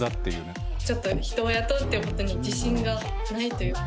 ちょっと人を雇うっていうことに自信がないという。